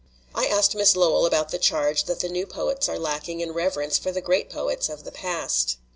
I asked Miss Lowell about the charge that the new poets are lacking in reverence for the great poets of the past.